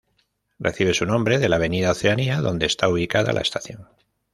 Recibe su nombre de la avenida Oceanía donde está ubicada la estación.